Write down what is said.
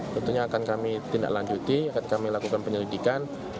tentunya akan kami tindak lanjuti akan kami lakukan penyelidikan